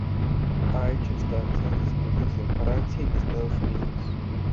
Ha hecho estancias de estudios en Francia y Estados Unidos.